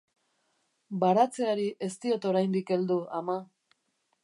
Baratzeari ez diot oraindik heldu, ama.